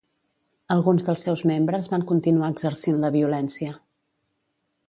Alguns dels seus membres van continuar exercint la violència.